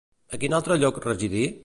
A quin altre lloc residí?